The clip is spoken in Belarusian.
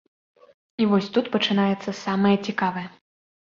І вось тут пачынаецца самае цікавае.